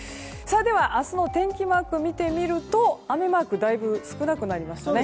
明日の天気マークを見てみると雨マーク大分少なくなりましたね。